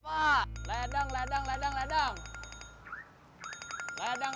wah ladang ladang ladang ladang